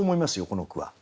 この句は。